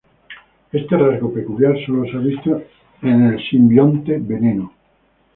Este rasgo peculiar solo se ha visto en el simbionte Veneno.